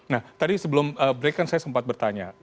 nah tadi sebelum break kan saya sempat bertanya